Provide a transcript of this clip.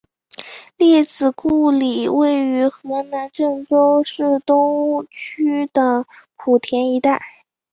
列子故里位于河南郑州市东区的圃田一带。